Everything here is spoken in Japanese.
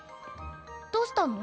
どうしたの？